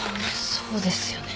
そうですよね。